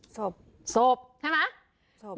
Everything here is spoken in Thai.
ศพศพใช่มั้ย